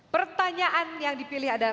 pertanyaan yang dipilih adalah